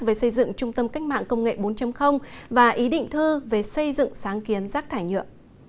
về xây dựng trung tâm cách mạng công nghệ bốn và ý định thư về xây dựng sáng kiến rác thải nhựa